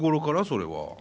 それは。